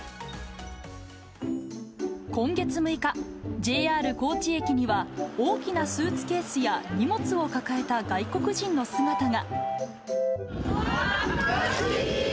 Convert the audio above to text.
今月６日、ＪＲ高知駅には大きなスーツケースや荷物を抱えた外国人の姿が。